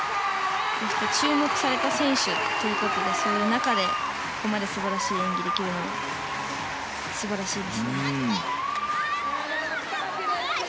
注目された選手ということでその中で、ここまで素晴らしい演技ができるのは素晴らしいですね。